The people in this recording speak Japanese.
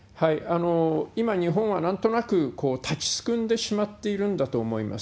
今、日本はなんとなく立ちすくんでしまっているんだと思います。